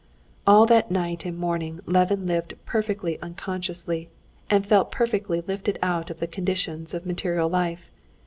All that night and morning Levin lived perfectly unconsciously, and felt perfectly lifted out of the conditions of material life.